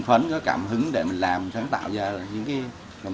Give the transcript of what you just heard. alo em chào anh ạ